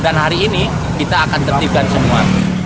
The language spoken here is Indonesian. dan hari ini kita akan tertipkan semua